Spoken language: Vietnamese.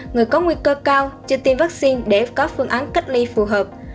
người có nguy cơ cao chưa tiêm vaccine để có phương án cách ly phù hợp